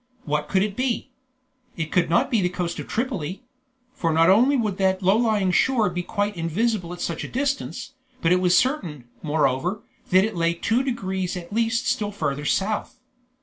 What could it be? It could not be the coast of Tripoli; for not only would that low lying shore be quite invisible at such a distance, but it was certain, moreover, that it lay two degrees at least still further south.